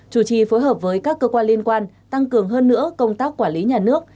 chủ trì phối hợp với các cơ quan liên quan tăng cường hơn nữa công tác quản lý nhà nước